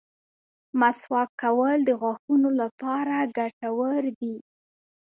مسواک کول د غاښونو لپاره ګټور دي.